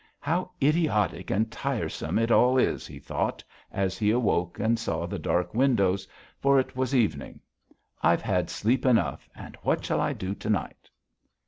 "How idiotic and tiresome it all is," he thought as he awoke and saw the dark windows; for it was evening. "I've had sleep enough, and what shall I do to night?"